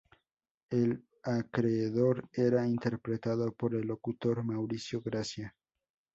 El acreedor era interpretado por el locutor Mauricio Gracia.